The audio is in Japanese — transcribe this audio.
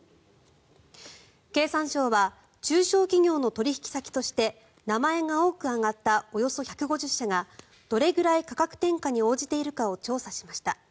経産省は中小企業の取引先として名前が多く挙がったおよそ１５０社がどれぐらい価格転嫁に応じているかを調査しました。